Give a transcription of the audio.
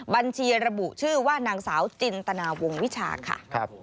บัญชีระบุชื่อว่านางสาวจินตนาวงวิชาค่ะ